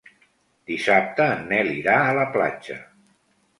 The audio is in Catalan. Dissabte en Nel irà a la platja.